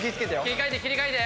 切り替えて切り替えて。